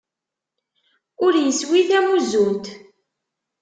Ur iswi tamuzzunt!